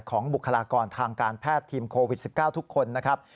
บุคลากรทางการแพทย์ทีมโควิด๑๙ทุกคนนะครับ